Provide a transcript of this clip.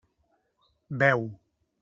Beu.